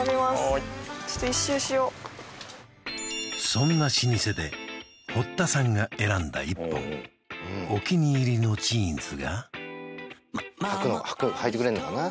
そんな老舗で堀田さんが選んだ１本お気に入りのジーンズが穿いてくれるのかな？